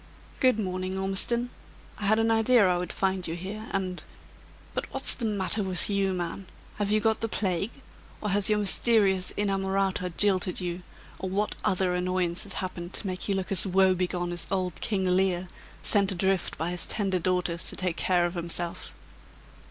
"Good morning, Ormiston. I had an idea I would find you here, and but what's the matter with you, man? Have you got the plague? or has your mysterious inamorata jilted you? or what other annoyance has happened to make you look as woebegone as old King Lear, sent adrift by his tender daughters to take care of himself?"